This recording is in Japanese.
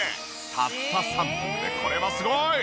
たった３分でこれはすごい！